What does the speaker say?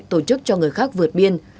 tổ chức cho người khác vượt biên